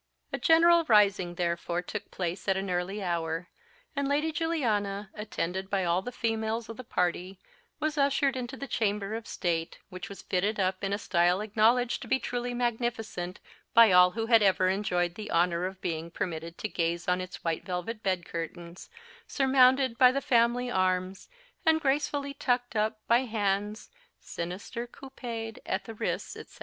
A general rising therefore took place at an early hour, and Lady Juliana, attended by all the females of the party, was ushered into the chamber of state, which was fitted up in a style acknowledged to be truly magnificent, by all who had ever enjoyed the honour of being permitted to gaze on its white velvet bed curtains, surmounted by the family arms, and gracefully tucked up by hands _sinister couped _at the wrists, etc.